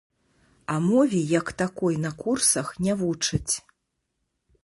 А мове як такой на курсах не вучаць.